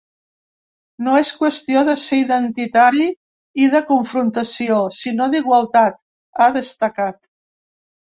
“No és qüestió de ser identitari i de confrontació, sinó d’igualtat”, ha destacat.